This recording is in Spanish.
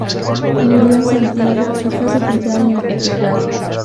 Murió en Santiago y fue sepultado en la catedral.